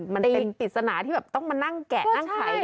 มันเป็นปริศนาที่แบบต้องมานั่งแกะนั่งไข